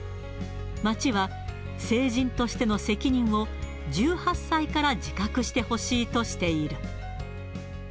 町は、成人としての責任を、１８歳から自覚してほしいとしている。